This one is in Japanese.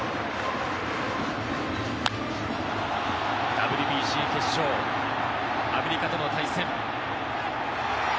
ＷＢＣ決勝、アメリカとの対戦。